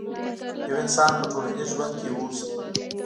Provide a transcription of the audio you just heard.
يو انسان په ټولنيز ژوند کې اوسي.